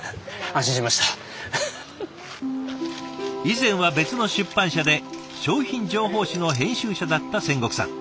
以前は別の出版社で商品情報誌の編集者だった仙石さん。